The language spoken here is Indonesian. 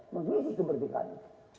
menggigit kemerdekaan itu